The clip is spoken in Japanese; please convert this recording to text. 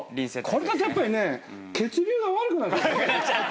これだとやっぱりね血流が悪くなる。